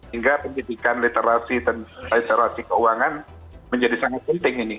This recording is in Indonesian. hingga pendidikan literasi dan literasi keuangan menjadi sangat penting ini